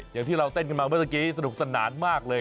อย่างที่เราเต้นกันมาเมื่อตะกี้สนุกสนานมากเลย